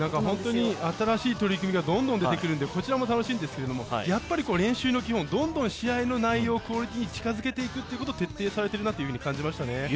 本当に新しい取り組みがどんどん出てくるので、こちらも楽しいんですけどやっぱり練習の基本、どんどん試合の内容、クオリティーを近づけていくことを徹底されているなと感じましたね。